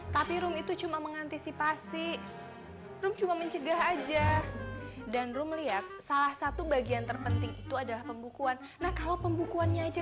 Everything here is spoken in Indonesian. tapi rum masih cinta banget sama dia